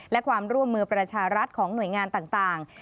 และความร่วมมือประชารัฐของหน่วยงานต่าง